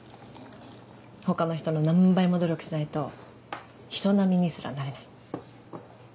他の人の何倍も努力しないと人並みにすらなれない。